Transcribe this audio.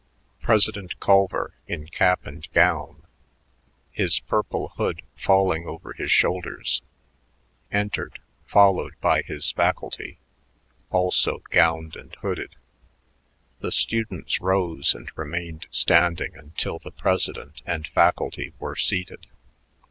President Culver in cap and gown, his purple hood falling over his shoulders, entered followed by his faculty, also gowned and hooded. The students rose and remained standing until the president and faculty were seated.